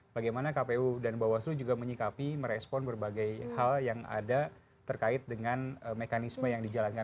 bagaimana kpu dan bawaslu juga menyikapi merespon berbagai hal yang ada terkait dengan mekanisme yang dijalankan